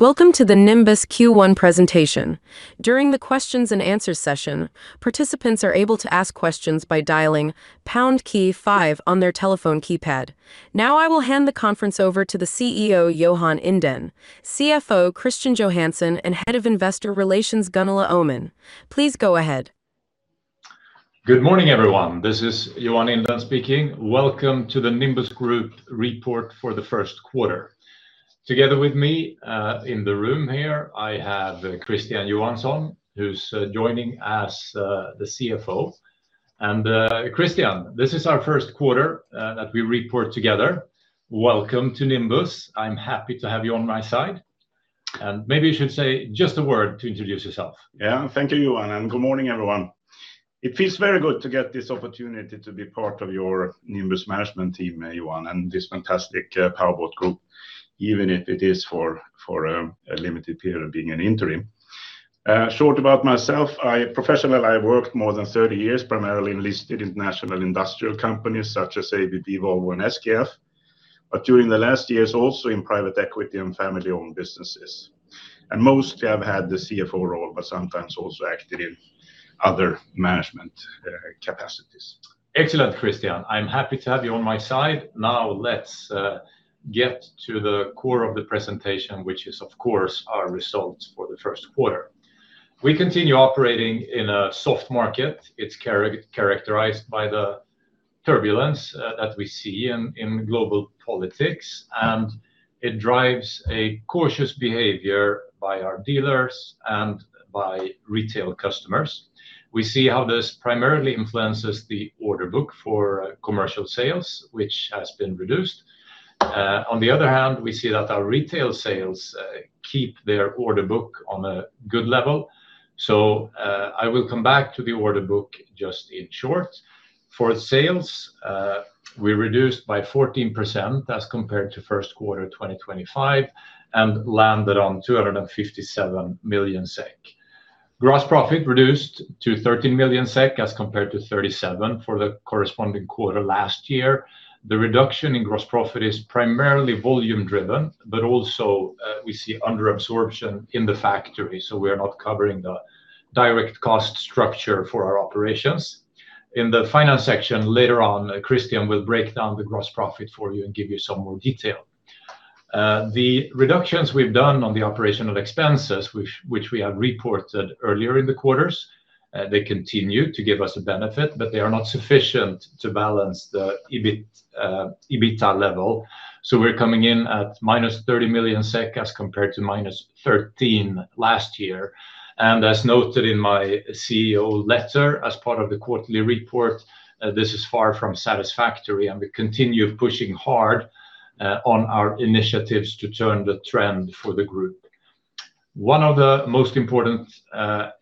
Welcome to the Nimbus Q1 presentation. During the questions and answers session, participants are able to ask questions by dialing pound key five on their telephone keypad. Now I will hand the conference over to the CEO, Johan Inden, CFO Christian Johansson, and Head of Investor Relations, Gunilla Öhman Wikman. Please go ahead. Good morning, everyone. This is Johan Inden speaking. Welcome to the Nimbus Group report for the first quarter. Together with me, in the room here, I have Christian Johansson, who's joining as the CFO. Christian, this is our first quarter that we report together. Welcome to Nimbus. I'm happy to have you on my side. Maybe you should say just a word to introduce yourself. Yeah. Thank you, Johan, and good morning, everyone. It feels very good to get this opportunity to be part of your Nimbus management team, Johan, and this fantastic Powerboat Group, even if it is for a limited period of being an interim. A short about myself. Professionally, I worked more than 30 years, primarily in listed international industrial companies such as ABB, Volvo, and SKF, but during the last years, also in private equity and family-owned businesses. Mostly, I've had the CFO role, but sometimes also acted in other management capacities. Excellent, Christian. I'm happy to have you on my side. Now let's get to the core of the presentation, which is, of course, our results for the first quarter. We continue operating in a soft market. It's characterized by the turbulence that we see in global politics, and it drives a cautious behavior by our dealers and by retail customers. We see how this primarily influences the order book for commercial sales, which has been reduced. On the other hand, we see that our retail sales keep their order book on a good level. I will come back to the order book just in short. For sales, we reduced by 14% as compared to first quarter 2025 and landed on 257 million SEK. Gross profit reduced to 13 million SEK as compared to 37 million for the corresponding quarter last year. The reduction in gross profit is primarily volume driven, but also, we see underabsorption in the factory, so we are not covering the direct cost structure for our operations. In the finance section later on, Christian will break down the gross profit for you and give you some more detail. The reductions we've done on the operational expenses, which we have reported earlier in the quarters, they continue to give us a benefit, but they are not sufficient to balance the EBIT, EBITDA level. We're coming in at -30 million SEK as compared to -13 million last year. As noted in my CEO letter as part of the quarterly report, this is far from satisfactory, and we continue pushing hard on our initiatives to turn the trend for the group. One of the most important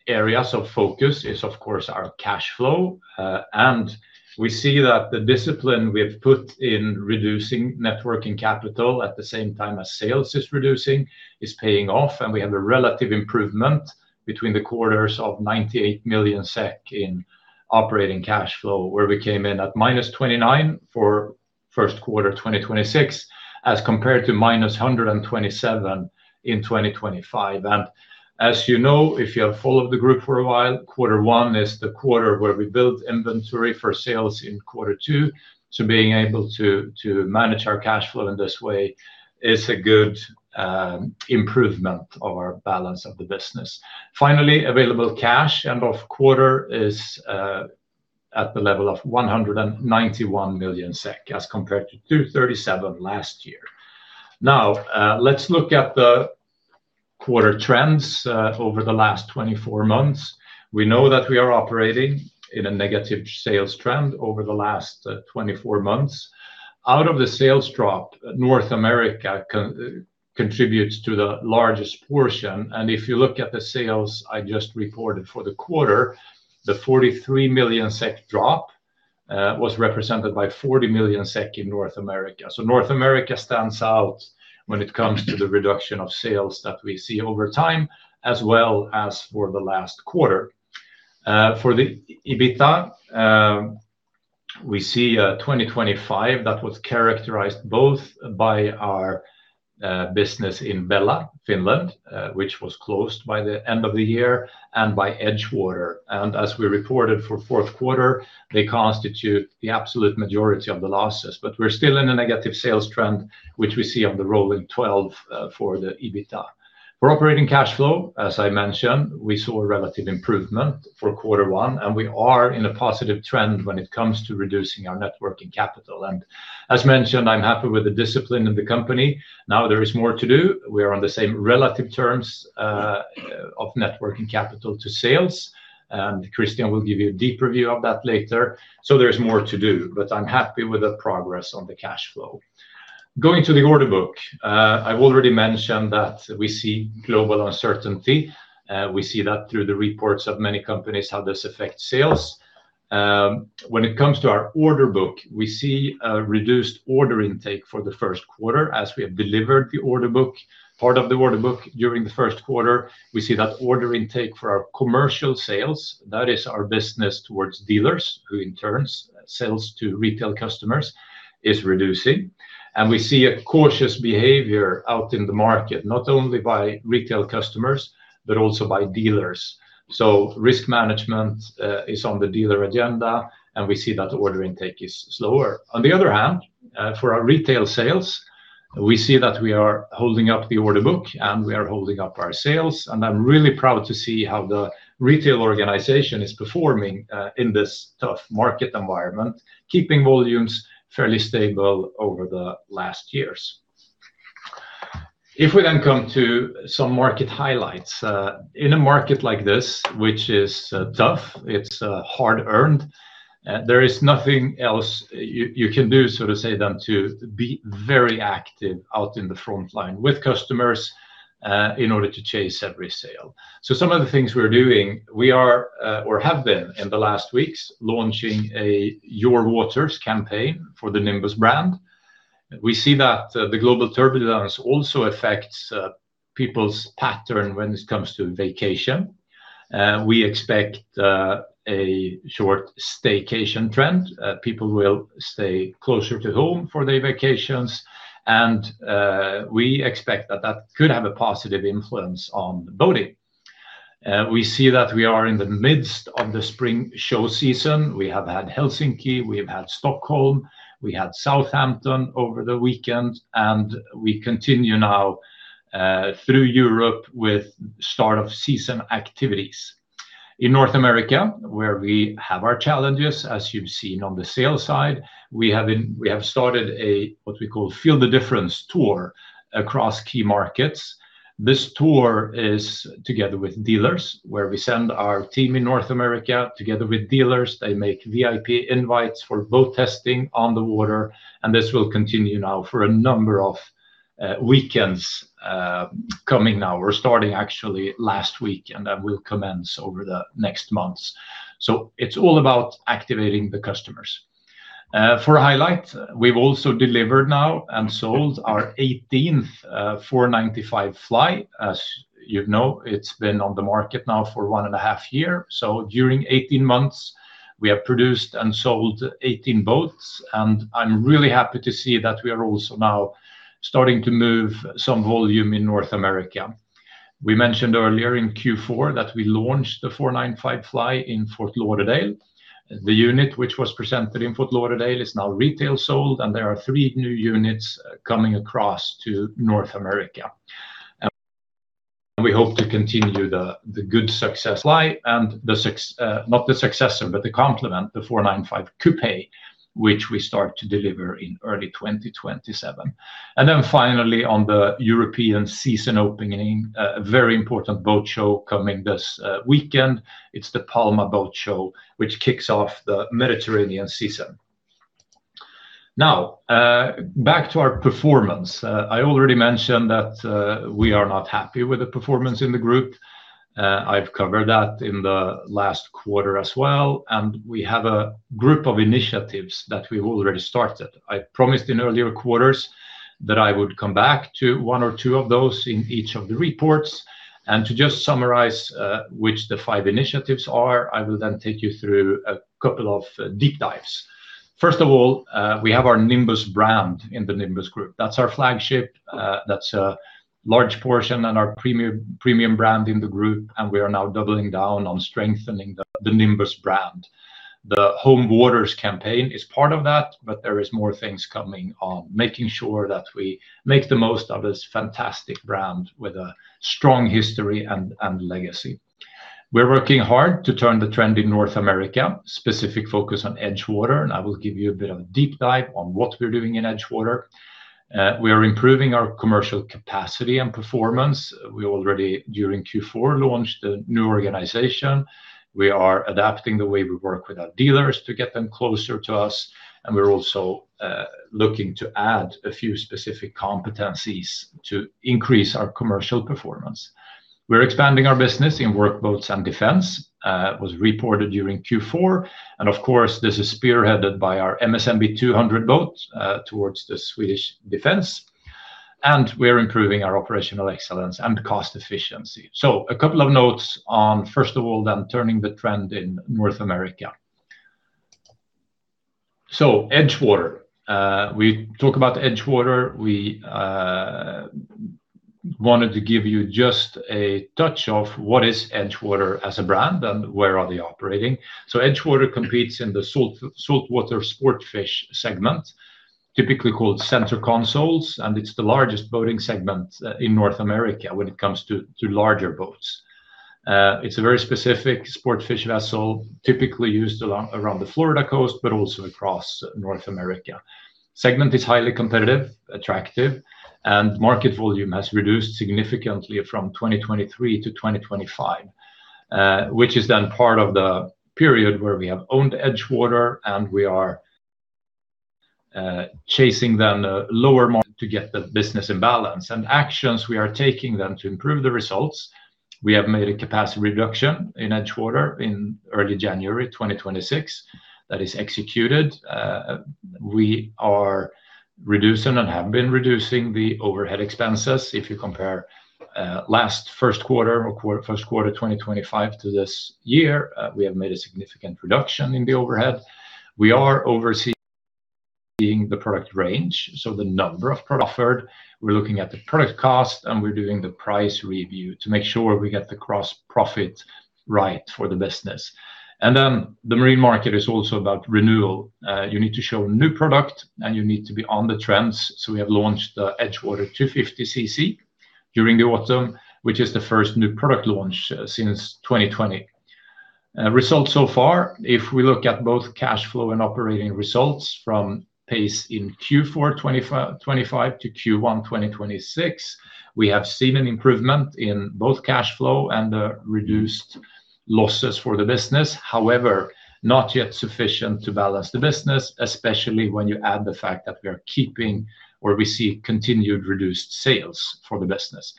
areas of focus is, of course, our cash flow. We see that the discipline we have put in reducing net working capital at the same time as sales is reducing is paying off, and we have a relative improvement between the quarters of 98 million SEK in operating cash flow, where we came in at -29 million SEK for first quarter 2026 as compared to -127 million SEK in 2025. As you know, if you have followed the group for a while, quarter one is the quarter where we build inventory for sales in quarter two, so being able to to manage our cash flow in this way is a good improvement of our balance of the business. Finally, available cash end of quarter is at the level of 191 million SEK as compared to 237 last year. Now, let's look at the quarter trends over the last 24 months. We know that we are operating in a negative sales trend over the last 24 months. Out of the sales drop, North America contributes to the largest portion. If you look at the sales I just reported for the quarter, the 43 million SEK drop was represented by 40 million SEK in North America. North America stands out when it comes to the reduction of sales that we see over time, as well as for the last quarter. For the EBITDA, we see Q1 2025 that was characterized both by our business in Bella, Finland, which was closed by the end of the year, and by Edgewater. As we reported for fourth quarter, they constitute the absolute majority of the losses. We're still in a negative sales trend, which we see on the rolling 12 for the EBITDA. For operating cash flow, as I mentioned, we saw a relative improvement for quarter one, and we are in a positive trend when it comes to reducing our net working capital. As mentioned, I'm happy with the discipline in the company. Now there is more to do. We are on the same relative terms of net working capital to sales, and Christian will give you a deeper view of that later. So there's more to do, but I'm happy with the progress on the cash flow. Going to the order book, I've already mentioned that we see global uncertainty. We see that through the reports of many companies, how this affects sales. When it comes to our order book, we see a reduced order intake for the first quarter as we have delivered the order book, part of the order book during the first quarter. We see that order intake for our commercial sales, that is our business towards dealers who in turn sells to retail customers, is reducing. We see a cautious behavior out in the market, not only by retail customers, but also by dealers. Risk management is on the dealer agenda, and we see that order intake is slower. On the other hand, for our retail sales, we see that we are holding up the order book, and we are holding up our sales. I'm really proud to see how the retail organization is performing in this tough market environment, keeping volumes fairly stable over the last years. If we then come to some market highlights, in a market like this, which is tough, it's hard-earned. There is nothing else you can do, so to say, than to be very active out in the front line with customers in order to chase every sale. Some of the things we're doing, we are or have been in the last weeks launching a Home Waters campaign for the Nimbus brand. We see that the global turbulence also affects people's pattern when it comes to vacation. We expect a short staycation trend. People will stay closer to home for their vacations, and we expect that that could have a positive influence on boating. We see that we are in the midst of the spring show season. We have had Helsinki, we have had Stockholm, we had Southampton over the weekend, and we continue now through Europe with start-of-season activities. In North America, where we have our challenges, as you've seen on the sales side, we have started a what we call Feel the Difference tour across key markets. This tour is together with dealers, where we send our team in North America, together with dealers, they make VIP invites for boat testing on the water, and this will continue now for a number of weekends coming now, or starting actually last week, and that will commence over the next months. It's all about activating the customers. For a highlight, we've also delivered now and sold our 18th 495 Fly. As you know, it's been on the market now for one and a half years. During 18 months, we have produced and sold 18 boats, and I'm really happy to see that we are also now starting to move some volume in North America. We mentioned earlier in Q4 that we launched the 495 Fly in Fort Lauderdale. The unit which was presented in Fort Lauderdale is now retail sold, and there are three new units coming across to North America. We hope to continue the good success Fly and the complement, the 495 Coupé, which we start to deliver in early 2027. Finally, on the European season opening, a very important boat show coming this weekend. It's the Palma Boat Show, which kicks off the Mediterranean season. Now, back to our performance. I already mentioned that, we are not happy with the performance in the group. I've covered that in the last quarter as well, and we have a group of initiatives that we've already started. I promised in earlier quarters that I would come back to one or two of those in each of the reports. To just summarize which the five initiatives are, I will then take you through a couple of deep dives. First of all, we have our Nimbus brand in the Nimbus Group. That's our flagship, that's a large portion and our premium brand in the group, and we are now doubling down on strengthening the Nimbus brand. The Home Waters campaign is part of that, but there is more things coming on, making sure that we make the most of this fantastic brand with a strong history and legacy. We're working hard to turn the trend in North America, specific focus on Edgewater, and I will give you a bit of a deep dive on what we're doing in Edgewater. We are improving our commercial capacity and performance. We already, during Q4, launched a new organization. We are adapting the way we work with our dealers to get them closer to us, and we're also looking to add a few specific competencies to increase our commercial performance. We're expanding our business in workboats and defense. It was reported during Q4, and of course, this is spearheaded by our MSMB 200 boat towards the Swedish defense. We're improving our operational excellence and cost efficiency. A couple of notes on, first of all, then turning the trend in North America. Edgewater, we talk about Edgewater. We wanted to give you just a touch of what is Edgewater as a brand and where are they operating. Edgewater competes in the saltwater sportfish segment, typically called center consoles, and it's the largest boating segment in North America when it comes to larger boats. It's a very specific sportfish vessel, typically used along around the Florida coast, but also across North America. The segment is highly competitive, attractive, and market volume has reduced significantly from 2023 to 2025, which is then part of the period where we have owned Edgewater, and we are chasing then a lower margin to get the business in balance. Actions we are taking then to improve the results, we have made a capacity reduction in Edgewater in early January 2026. That is executed. We are reducing and have been reducing the overhead expenses. If you compare last first quarter 2025 to this year, we have made a significant reduction in the overhead. We are overseeing the product range, so the number of products offered. We're looking at the product cost, and we're doing the price review to make sure we get the gross profit right for the business. The marine market is also about renewal. You need to show new product, and you need to be on the trends. We have launched the Edgewater 250CC during the autumn, which is the first new product launch since 2020. Results so far, if we look at both cash flow and operating results from the pace in Q4 2025 to Q1 2026, we have seen an improvement in both cash flow and reduced losses for the business. However, not yet sufficient to balance the business, especially when you add the fact that we are seeing continued reduced sales for the business.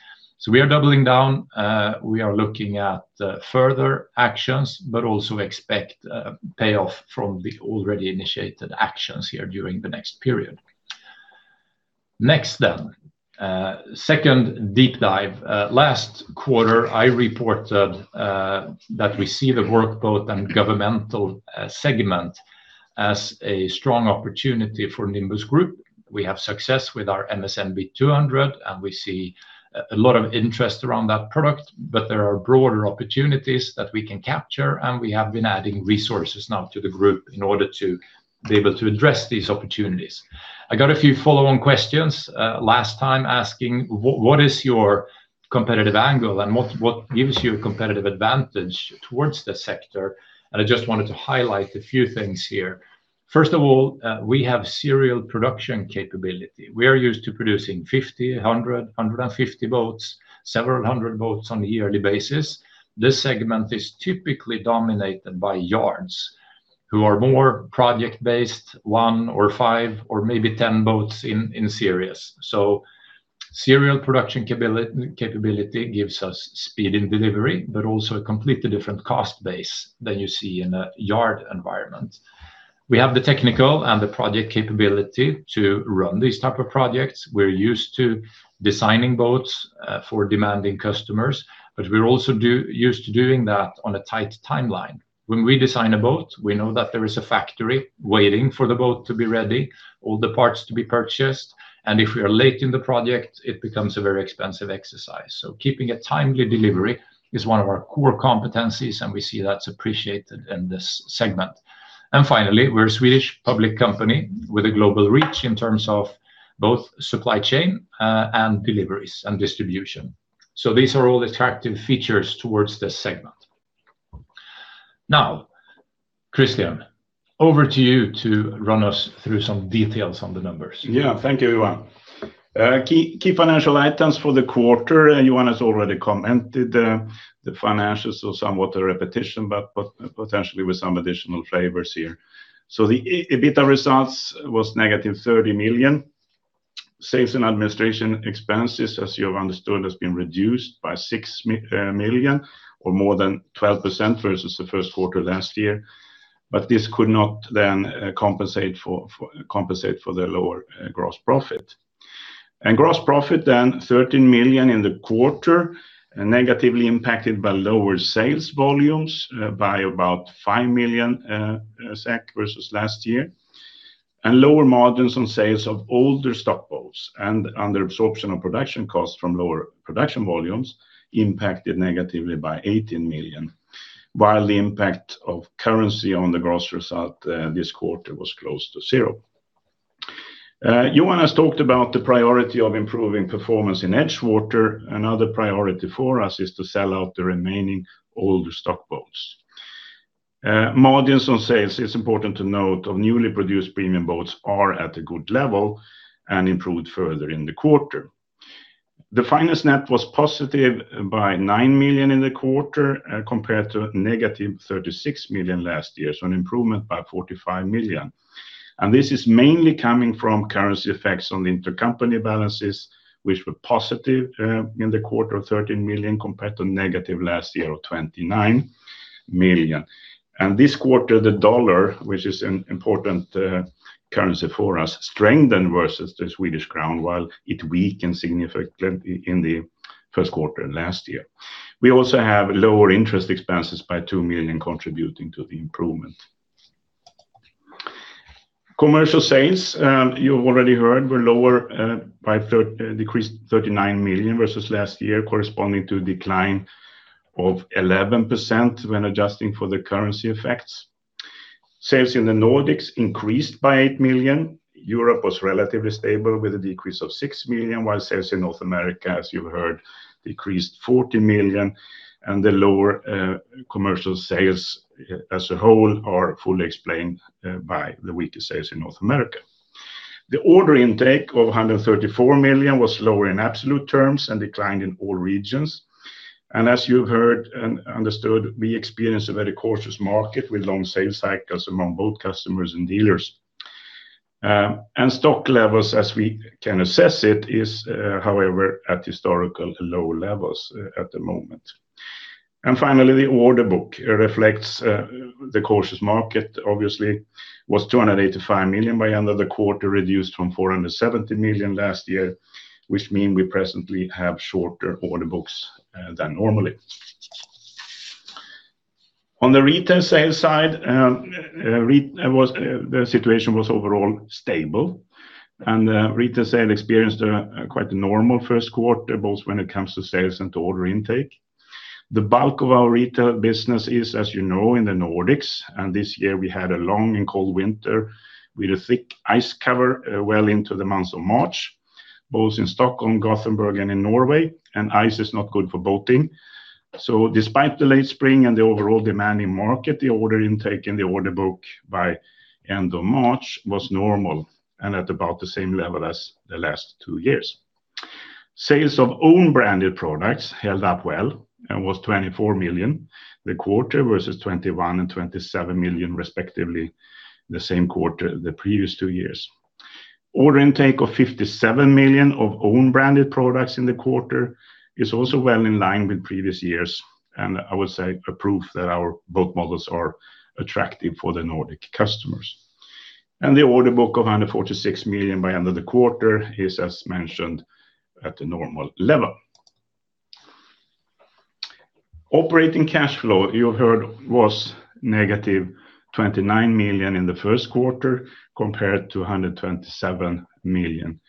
We are doubling down. We are looking at further actions, but also expect payoff from the already initiated actions here during the next period. Next, second deep dive. Last quarter, I reported that we see the workboat and governmental segment as a strong opportunity for Nimbus Group. We have success with our MSNB 200, and we see a lot of interest around that product, but there are broader opportunities that we can capture, and we have been adding resources now to the group in order to be able to address these opportunities. I got a few follow-on questions last time asking, "What is your competitive angle and what gives you a competitive advantage towards the sector?" I just wanted to highlight a few things here. First of all, we have serial production capability. We are used to producing 50, 100, 150 boats, several hundred boats on a yearly basis. This segment is typically dominated by yards who are more project-based, one or five or maybe 10 boats in series. Serial production capability gives us speed in delivery, but also a completely different cost base than you see in a yard environment. We have the technical and the project capability to run these type of projects. We're used to designing boats for demanding customers, but we're also used to doing that on a tight timeline. When we design a boat, we know that there is a factory waiting for the boat to be ready, all the parts to be purchased, and if we are late in the project, it becomes a very expensive exercise. Keeping a timely delivery is one of our core competencies, and we see that's appreciated in this segment. Finally, we're a Swedish public company with a global reach in terms of both supply chain, and deliveries and distribution. These are all attractive features towards this segment. Now, Christian, over to you to run us through some details on the numbers. Yeah. Thank you, Johan. Key financial items for the quarter, and Johan has already commented the financials, so somewhat a repetition, but potentially with some additional flavors here. The EBITDA results was negative 30 million. Sales and administration expenses, as you have understood, has been reduced by 6 million or more than 12% versus the first quarter last year, but this could not then compensate for the lower gross profit. Gross profit then, 13 million in the quarter, negatively impacted by lower sales volumes by about 5 million SEK SEK versus last year, and lower margins on sales of older stock boats and under absorption of production costs from lower production volumes impacted negatively by 18 million, while the impact of currency on the gross result this quarter was close to zero. Johan has talked about the priority of improving performance in Edgewater. Another priority for us is to sell out the remaining older stock boats. Margins on sales, it's important to note, of newly produced premium boats are at a good level and improved further in the quarter. The finance net was positive by 9 million in the quarter, compared to negative 36 million last year, so an improvement by 45 million. This is mainly coming from currency effects on the intercompany balances, which were positive in the quarter of 13 million compared to negative last year of 29 million. This quarter, the dollar, which is an important currency for us, strengthened versus the Swedish crown, while it weakened significantly in the first quarter last year. We also have lower interest expenses by 2 million contributing to the improvement. Commercial sales, you've already heard, were lower, decreased 39 million versus last year, corresponding to a decline of 11% when adjusting for the currency effects. Sales in the Nordics increased by 8 million. Europe was relatively stable with a decrease of 6 million, while sales in North America, as you heard, decreased 40 million. The lower commercial sales as a whole are fully explained by the weaker sales in North America. The order intake of 134 million was lower in absolute terms and declined in all regions. As you've heard and understood, we experience a very cautious market with long sales cycles among both customers and dealers. Stock levels, as we can assess it, is, however, at historical low levels at the moment. Finally, the order book reflects the cautious market, obviously, was 285 million by end of the quarter, reduced from 470 million last year, which mean we presently have shorter order books than normally. On the retail sales side, the situation was overall stable. Retail sales experienced a quite normal first quarter, both when it comes to sales and to order intake. The bulk of our retail business is, as you know, in the Nordics, and this year we had a long and cold winter with a thick ice cover, well into the month of March, both in Stockholm, Gothenburg, and in Norway, and ice is not good for boating. Despite the late spring and the overall demanding market, the order intake and the order book by end of March was normal and at about the same level as the last two years. Sales of own branded products held up well and was 24 million in the quarter versus 21 million and 27 million respectively the same quarter the previous two years. Order intake of 57 million of own branded products in the quarter is also well in line with previous years, and I would say a proof that our boat models are attractive for the Nordic customers. The order book of 146 million by end of the quarter is, as mentioned, at the normal level. Operating cash flow, you heard, was -29 million in the first quarter, compared to -127 million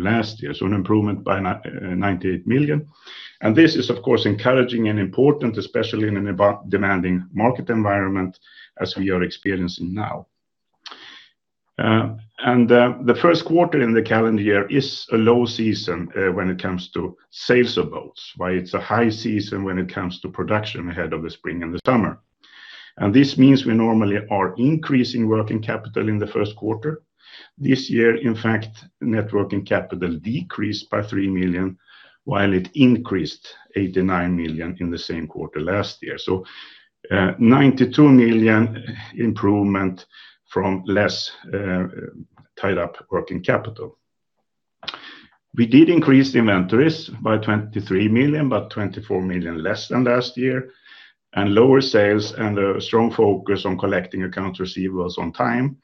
last year, so an improvement by 98 million. This is, of course, encouraging and important, especially in a demanding market environment as we are experiencing now. The first quarter in the calendar year is a low season when it comes to sales of boats, while it's a high season when it comes to production ahead of the spring and the summer. This means we normally are increasing working capital in the first quarter. This year, in fact, net working capital decreased by 3 million, while it increased 89 million in the same quarter last year. 92 million improvement from less tied up working capital. We did increase the inventories by 23 million, but 24 million less than last year, and lower sales and a strong focus on collecting accounts receivable on time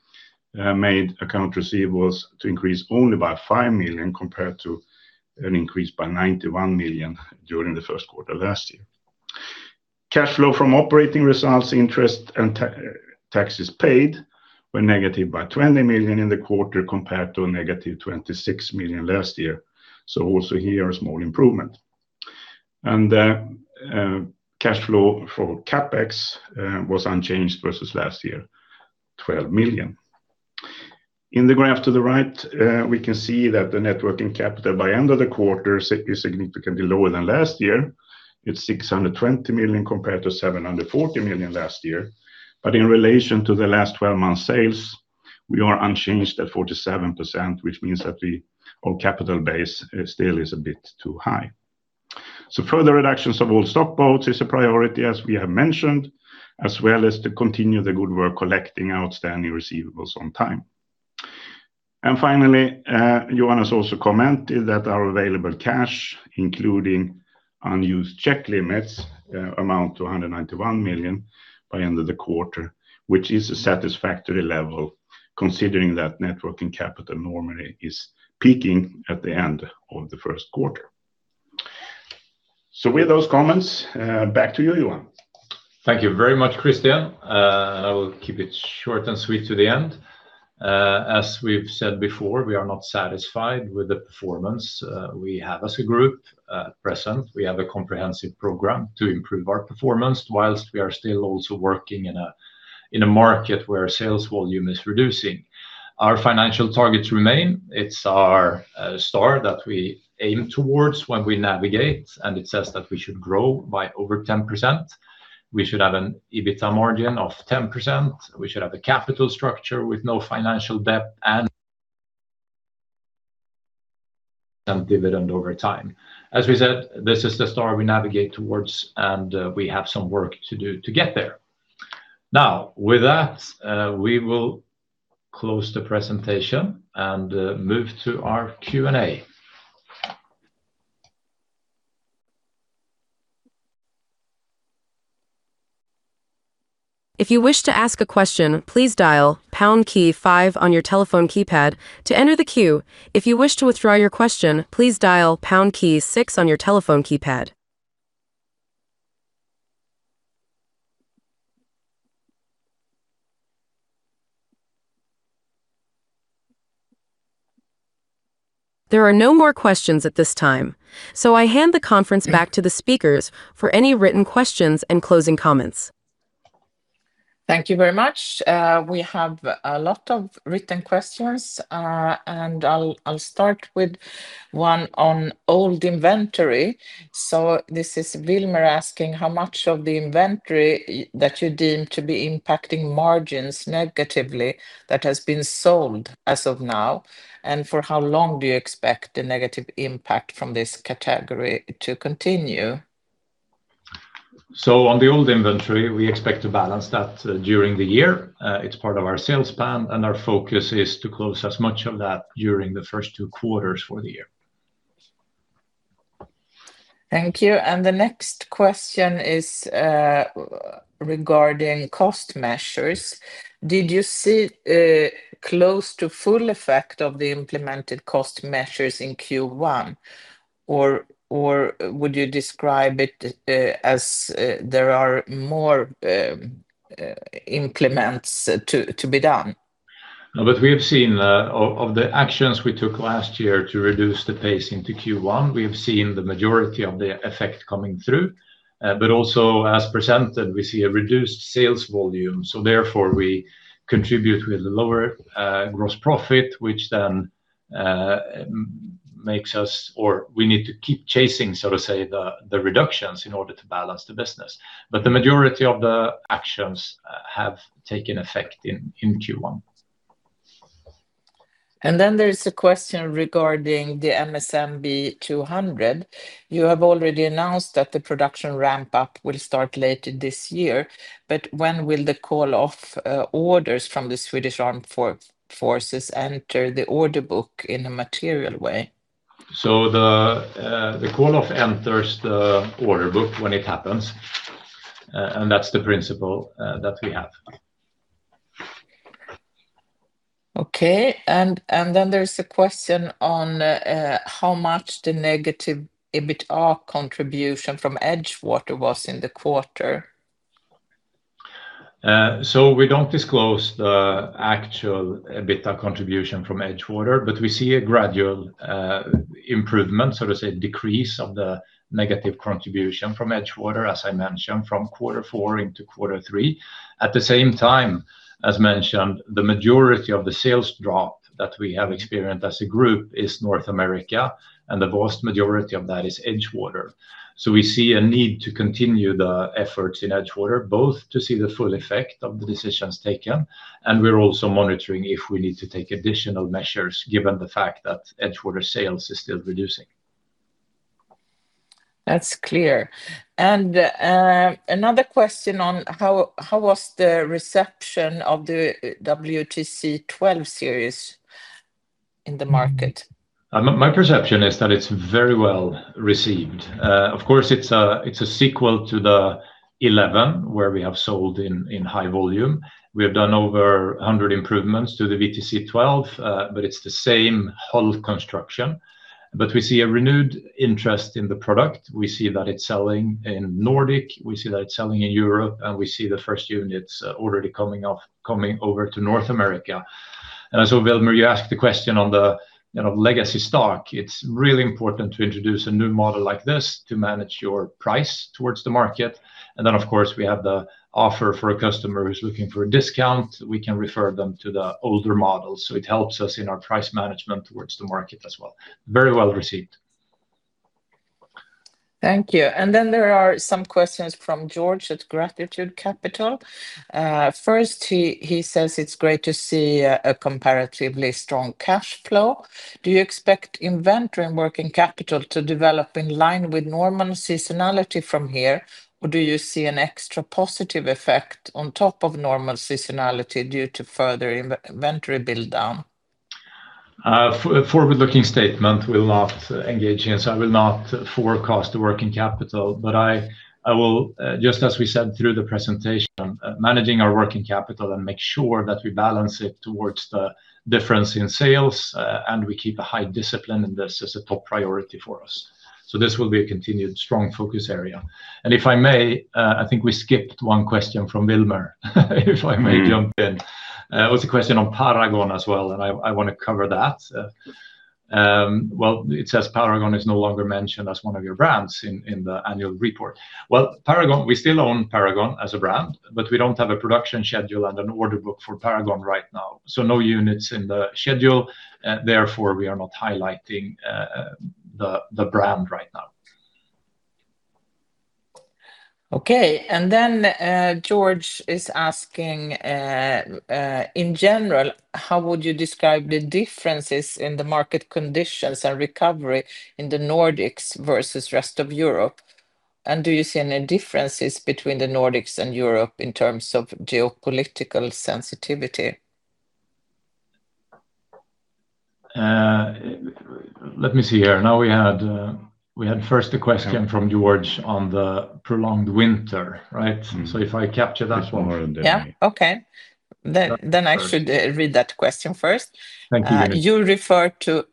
made accounts receivable to increase only by 5 million, compared to an increase by 91 million during the first quarter last year. Cash flow from operating results, interest, and taxes paid were negative by 20 million in the quarter, compared to a negative 26 million last year, so also here a small improvement. Cash flow for CapEx was unchanged versus last year, 12 million. In the graph to the right, we can see that the net working capital by end of the quarter is significantly lower than last year. It's 620 million compared to 740 million last year. In relation to the last 12 months' sales, we are unchanged at 47%, which means that our capital base still is a bit too high. Further reductions of old stock boats is a priority, as we have mentioned, as well as to continue the good work collecting outstanding receivables on time. Finally, Johan has also commented that our available cash, including unused credit limits, amount to 191 million by end of the quarter, which is a satisfactory level considering that net working capital normally is peaking at the end of the first quarter. With those comments, back to you, Johan. Thank you very much, Christian. I will keep it short and sweet to the end. As we've said before, we are not satisfied with the performance we have as a group at present. We have a comprehensive program to improve our performance while we are still also working in a market where sales volume is reducing. Our financial targets remain. It's our star that we aim towards when we navigate, and it says that we should grow by over 10%. We should have an EBITDA margin of 10%. We should have a capital structure with no financial debt and some dividend over time. As we said, this is the star we navigate towards, and we have some work to do to get there. Now, with that, we will close the presentation and move to our Q&A. If you wish to ask a question, please dial pound key five on your telephone keypad to enter the queue. If you wish to withdraw your question, please dial pound key six on your telephone keypad. There are no more questions at this time, so I hand the conference back to the speakers for any written questions and closing comments. Thank you very much. We have a lot of written questions, and I'll start with one on old inventory. This is Wilmer asking, "How much of the inventory that you deem to be impacting margins negatively that has been sold as of now? And for how long do you expect the negative impact from this category to continue? On the old inventory, we expect to balance that during the year. It's part of our sales plan, and our focus is to close as much of that during the first two quarters for the year. Thank you. The next question is, regarding cost measures. Did you see close to full effect of the implemented cost measures in Q1? Or would you describe it as there are more to be implemented? No, we have seen of the actions we took last year to reduce the pacing to Q1, we have seen the majority of the effect coming through. Also, as presented, we see a reduced sales volume, so therefore we contribute with lower gross profit, which then or we need to keep chasing, so to say, the reductions in order to balance the business. The majority of the actions have taken effect in Q1. There is a question regarding the MSMB 200. You have already announced that the production ramp-up will start later this year, but when will the call-off orders from the Swedish Armed Forces enter the order book in a material way? The call-off enters the order book when it happens, and that's the principle that we have. There's a question on how much the negative EBITA contribution from Edgewater was in the quarter. We don't disclose the actual EBITA contribution from Edgewater, but we see a gradual improvement, so to say, decrease of the negative contribution from Edgewater, as I mentioned, from quarter four into quarter three. At the same time, as mentioned, the majority of the sales drop that we have experienced as a group is North America, and the vast majority of that is Edgewater. We see a need to continue the efforts in Edgewater, both to see the full effect of the decisions taken, and we're also monitoring if we need to take additional measures given the fact that Edgewater sales is still reducing. That's clear. Another question on how was the reception of the WTC 12 series in the market? My perception is that it's very well received. Of course, it's a sequel to the 11, where we have sold in high volume. We have done over 100 improvements to the WTC 12, but it's the same hull construction. We see a renewed interest in the product. We see that it's selling in Nordic. We see that it's selling in Europe, and we see the first units already coming over to North America. Wilmer, you asked the question on the, you know, legacy stock. It's really important to introduce a new model like this to manage your price towards the market. Of course, we have the offer for a customer who's looking for a discount, we can refer them to the older model. It helps us in our price management towards the market as well. Very well received. Thank you. There are some questions from George at Gratitude Railroad. First, he says it's great to see a comparatively strong cash flow. Do you expect inventory and working capital to develop in line with normal seasonality from here, or do you see an extra positive effect on top of normal seasonality due to further inventory build-down? Forward-looking statement, we'll not engage here, so I will not forecast the working capital. I will just as we said through the presentation, managing our working capital and make sure that we balance it towards the difference in sales, and we keep a high discipline, and this is a top priority for us. This will be a continued strong focus area. If I may, I think we skipped one question from Wilmer, if I may jump in. Mm-hmm. It was a question on Paragon as well, and I wanna cover that. Well, it says Paragon is no longer mentioned as one of your brands in the annual report. Well, Paragon, we still own Paragon as a brand, but we don't have a production schedule and an order book for Paragon right now. So no units in the schedule, therefore we are not highlighting the brand right now. Okay. George is asking: In general, how would you describe the differences in the market conditions and recovery in the Nordics versus rest of Europe? And do you see any differences between the Nordics and Europe in terms of geopolitical sensitivity? Let me see here. Now we had first a question from George on the prolonged winter, right? Mm-hmm. If I capture that one. Yeah. Okay. I should read that question first. Thank you. You refer to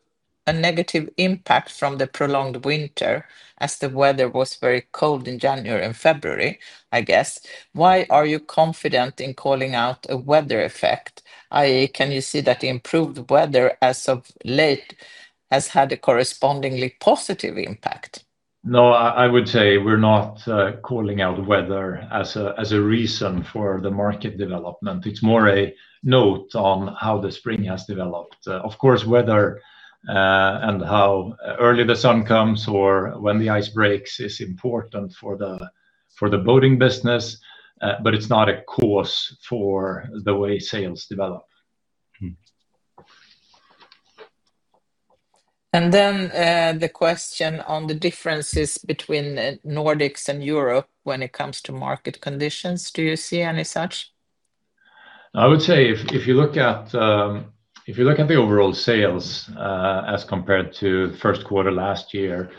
a negative impact from the prolonged winter as the weather was very cold in January and February, I guess. Why are you confident in calling out a weather effect, i.e., can you see that the improved weather as of late has had a correspondingly positive impact? No, I would say we're not calling out weather as a reason for the market development. It's more a note on how the spring has developed. Of course, weather and how early the sun comes or when the ice breaks is important for the boating business, but it's not a cause for the way sales develop. The question on the differences between Nordics and Europe when it comes to market conditions. Do you see any such? I would say if you look at the overall sales as compared to first quarter last year,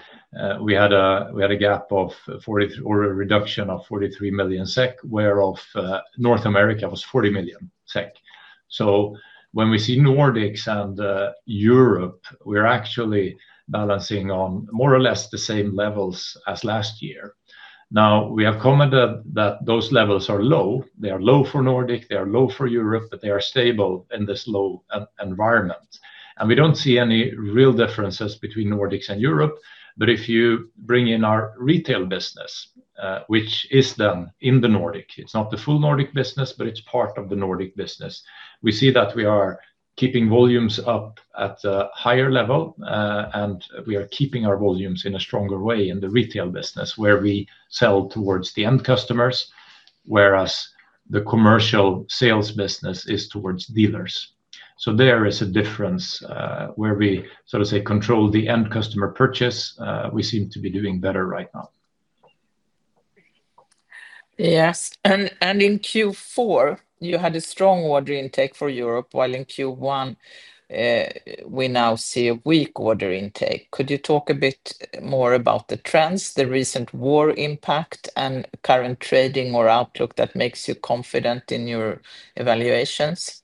we had a reduction of 43 million SEK, whereof North America was 40 million SEK. When we see Nordics and Europe, we're actually balancing on more or less the same levels as last year. Now, we have commented that those levels are low. They are low for Nordic, they are low for Europe, but they are stable in this low environment. We don't see any real differences between Nordics and Europe. If you bring in our retail business, which is done in the Nordic, it's not the full Nordic business, but it's part of the Nordic business. We see that we are keeping volumes up at a higher level, and we are keeping our volumes in a stronger way in the retail business where we sell towards the end customers, whereas the commercial sales business is towards dealers. There is a difference, where we, so to say, control the end customer purchase, we seem to be doing better right now. Yes. In Q4, you had a strong order intake for Europe, while in Q1, we now see a weak order intake. Could you talk a bit more about the trends, the recent war impact, and current trading or outlook that makes you confident in your evaluations?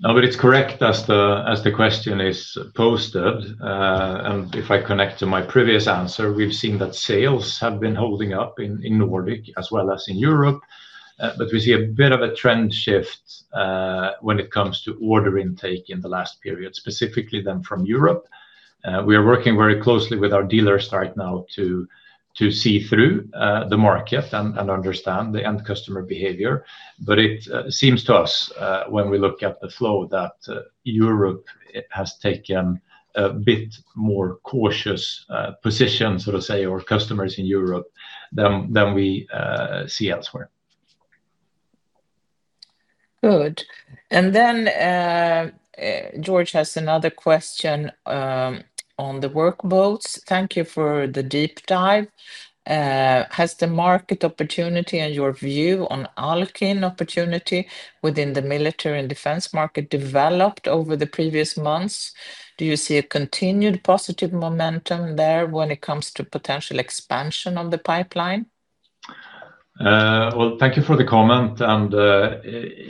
No, but it's correct as the question is posted. If I connect to my previous answer, we've seen that sales have been holding up in Nordic as well as in Europe. We see a bit of a trend shift when it comes to order intake in the last period, specifically then from Europe. We are working very closely with our dealers right now to see through the market and understand the end customer behavior. It seems to us when we look at the flow that Europe has taken a bit more cautious position, so to say, or customers in Europe than we see elsewhere. Good. George has another question on the workboats. Thank you for the deep dive. Has the market opportunity and your view on Alukin opportunity within the military and defense market developed over the previous months? Do you see a continued positive momentum there when it comes to potential expansion on the pipeline? Well, thank you for the comment.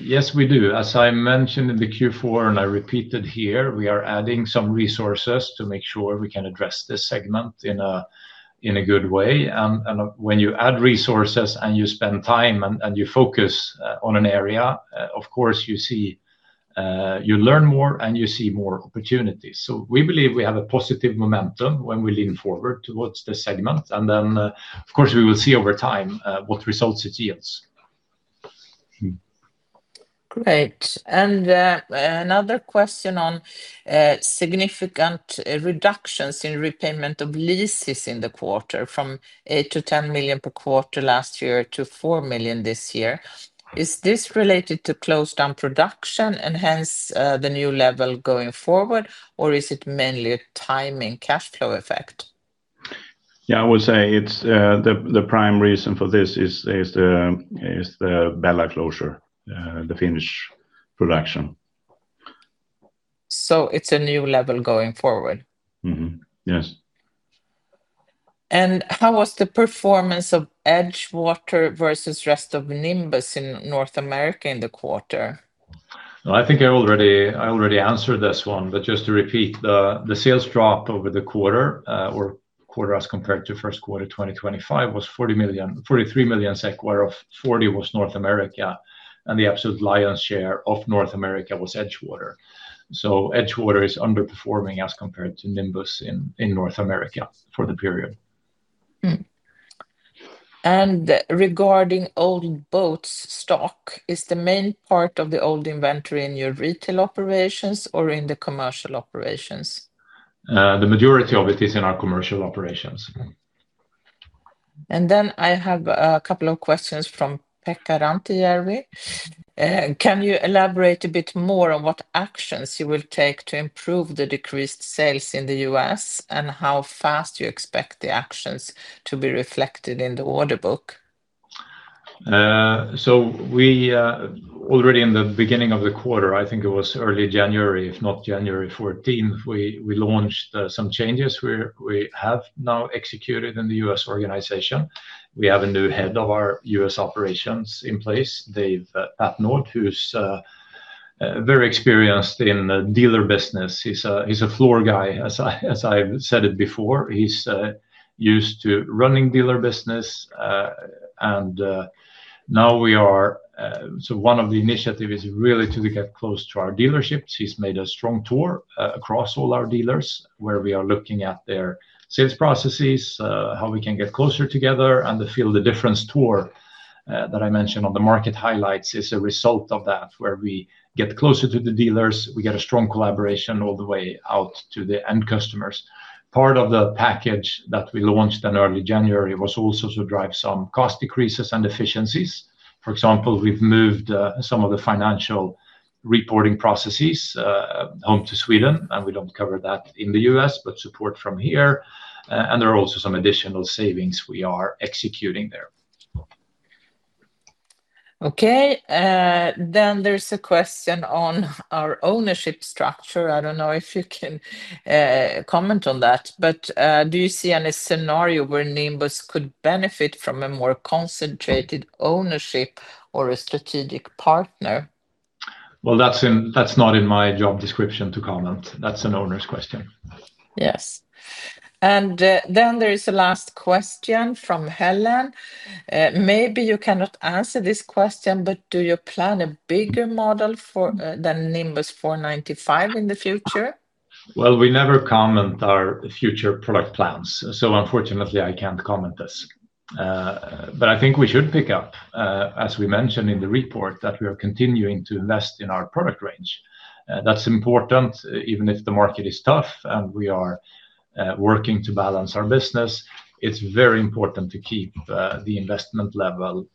Yes, we do. As I mentioned in the Q4, and I repeated here, we are adding some resources to make sure we can address this segment in a good way. When you add resources and you spend time and you focus on an area, of course, you see, you learn more and you see more opportunities. We believe we have a positive momentum when we lean forward towards the segment. Of course, we will see over time what results it yields. Great. Another question on significant reductions in repayment of leases in the quarter from 8 million to 10 million per quarter last year to 4 million this year. Is this related to closed down production and hence the new level going forward, or is it mainly a timing cash flow effect? Yeah, I would say it's the prime reason for this is the Bella closure, the Finnish production. It's a new level going forward. Mm-hmm. Yes. How was the performance of Edgewater versus rest of Nimbus in North America in the quarter? No, I think I already answered this one, but just to repeat, the sales drop quarter-over-quarter as compared to first quarter 2025 was 40 million, 43 million SEK, whereof 40 million was North America, and the absolute lion's share of North America was Edgewater. Edgewater is underperforming as compared to Nimbus in North America for the period. Regarding old boats stock, is the main part of the old inventory in your retail operations or in the commercial operations? The majority of it is in our commercial operations. I have a couple of questions from Pekka Rantajärvi. Can you elaborate a bit more on what actions you will take to improve the decreased sales in the U.S. and how fast you expect the actions to be reflected in the order book? We already in the beginning of the quarter, I think it was early January, if not January fourteenth, we launched some changes we have now executed in the U.S. organization. We have a new Head of our U.S. operations in place, Dave O'Connell, who's very experienced in the dealer business. He's a floor guy, as I've said it before. He's used to running dealer business. Now, one of the initiatives is really to get close to our dealerships. He's made a strong tour across all our dealers, where we are looking at their sales processes, how we can get closer together, and the Feel the Difference tour that I mentioned on the market highlights is a result of that, where we get closer to the dealers, we get a strong collaboration all the way out to the end customers. Part of the package that we launched in early January was also to drive some cost decreases and efficiencies. For example, we've moved some of the financial reporting processes home to Sweden, and we don't cover that in the U.S., but support from here. There are also some additional savings we are executing there. Okay. There's a question on our ownership structure. I don't know if you can comment on that, but do you see any scenario where Nimbus could benefit from a more concentrated ownership or a strategic partner? Well, that's not in my job description to comment. That's an owner's question. Yes. There is a last question from Helen. Maybe you cannot answer this question, but do you plan a bigger model than Nimbus 495 in the future? Well, we never comment our future product plans, so unfortunately, I can't comment this. I think we should pick up, as we mentioned in the report, that we are continuing to invest in our product range. That's important, even if the market is tough and we are working to balance our business. It's very important to keep the investment level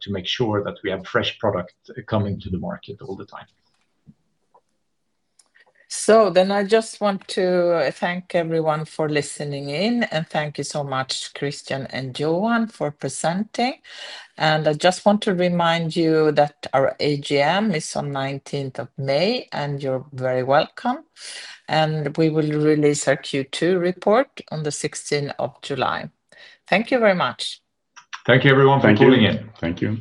to make sure that we have fresh product coming to the market all the time. I just want to thank everyone for listening in, and thank you so much, Christian and Johan, for presenting. I just want to remind you that our AGM is on nineteenth of May, and you're very welcome. We will release our Q2 report on the sixteenth of July. Thank you very much. Thank you, everyone, for tuning in. Thank you. Thank you.